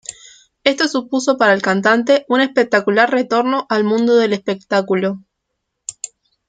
Esto supuso para el cantante un espectacular retorno al mundo del espectáculo.